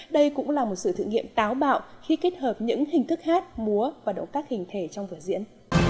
đây cũng là một sự thử nghiệm táo bạo khi kết hợp những hình thức hát múa và động các hình thể trong vở diễn